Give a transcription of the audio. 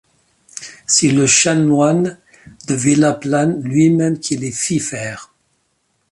C'est le chanoine de Vilaplane lui-même qui les fit faire.